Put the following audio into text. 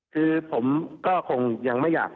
คือผมก็คงยังไม่อยาก